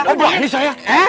oh berani saya